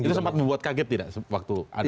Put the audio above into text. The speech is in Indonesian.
itu sempat membuat kaget tidak waktu ada rapor itu